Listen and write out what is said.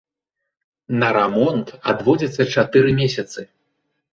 На рамонт адводзіцца чатыры месяцы.